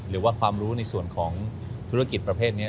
หรือว่าความรู้ในส่วนของธุรกิจประเภทนี้